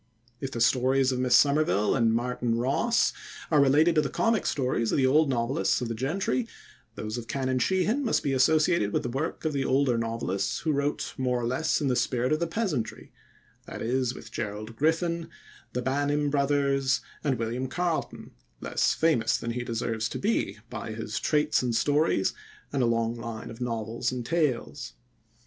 If the stories of Miss Somerville and "Martin Ross" are related to the comic stories of the old novelists of the gentry, those of Canon Sheehan must be associated with the work of the older novelists who wrote more or less in the spirit of the peasantry, that is, with Gerald Griffin, the Banim brothers, and William Carleton, less famous than he deserves to be by his Traits and Stories and a long line of novels and tales.